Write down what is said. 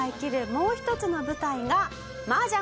もう一つの舞台が麻雀」